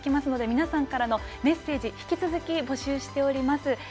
皆さんからのメッセージ引き続き募集しています。